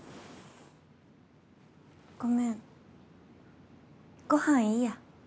ごめんご飯いいや。